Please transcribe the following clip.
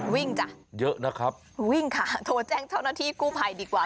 จ้ะเยอะนะครับวิ่งค่ะโทรแจ้งเจ้าหน้าที่กู้ภัยดีกว่า